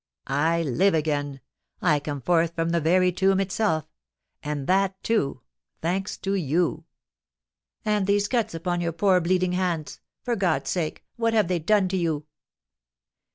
"I live again. I come forth from the very tomb itself; and that, too, thanks to you!" "And these cuts upon your poor bleeding hands! For God's sake, what have they done to you?"